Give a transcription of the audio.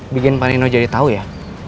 bikin panino jadi tau ya